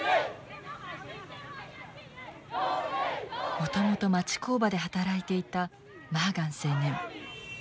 もともと町工場で働いていたマーガン青年。